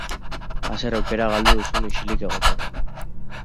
a zer aukera galdu duzun ixilik egotekoa